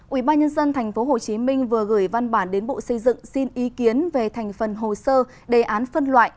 ubnd tp hcm vừa gửi văn bản đến bộ xây dựng xin ý kiến về thành phần hồ sơ đề án phân loại